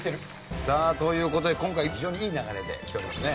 さあという事で今回非常にいい流れできておりますね。